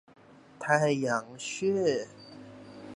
太陽穴